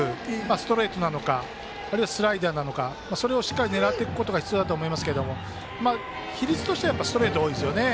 ストレートなのかあるいはスライダーなのかそれをしっかり狙っていくことが必要だと思いますけど比率としてはストレートが多いですよね。